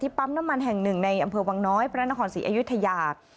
ปั๊มน้ำมันแห่งหนึ่งในอำเภอวังน้อยพระนครศรีอยุธยา